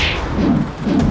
aku akan menang